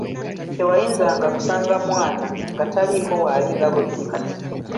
Tewayinzanga kusanga mwana nga taliiko w'ali nga bwe guli kati.